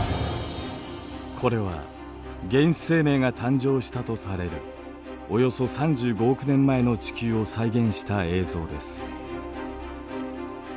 これは原始生命が誕生したとされるおよそ３５億年前の地球を再現した映像です。